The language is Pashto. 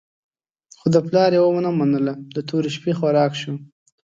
خو د پلار یې ونه منله، د تورې شپې خوراک شو.